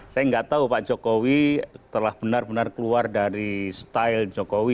saya nggak tahu pak jokowi telah benar benar keluar dari style jokowi